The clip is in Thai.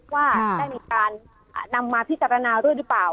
ว่าได้มีการนำมาพิจารณาด้วยหรือเปล่า